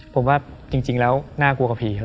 ผมว่าจริงแล้วน่ากลัวกว่าผีครับ